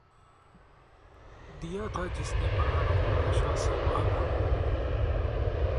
دیا تھا جس نے پہاڑوں کو رعشۂ سیماب